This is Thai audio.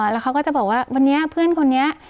แล้วเขาก็จะบอกว่าวันนี้เพื่อนคนนี้